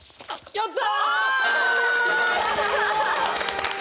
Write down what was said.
やった！